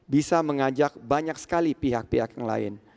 bisa mengajak banyak sekali pihak pihak yang lain